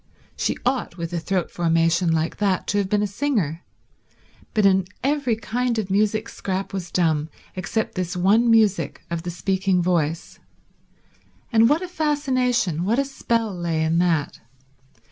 She ought, with a throat formation like that, to have been a singer, but in every kind of music Scrap was dumb except this one music of the speaking voice; and what a fascination, what a spell lay in that.